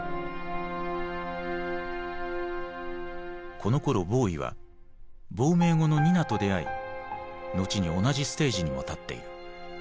このころボウイは亡命後のニナと出会い後に同じステージにも立っている。